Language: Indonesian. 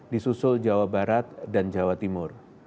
di susul jawa barat dan jawa timur